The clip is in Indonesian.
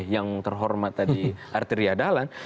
yang terhormat tadi artiria adalan